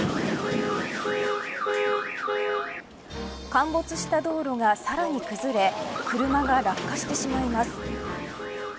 陥没した道路がさらに崩れ車が落下してしまいます。